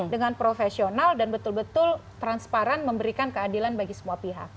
dengan profesional dan betul betul transparan memberikan keadilan bagi semua pihak